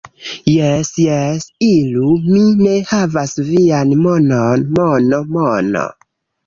Jes, jes. Iru, mi ne havas vian monon. Mono, mono..